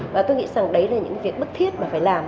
và tôi nghĩ rằng đấy là những việc bức thiết mà phải làm